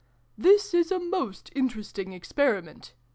" This is a most interesting Experiment!"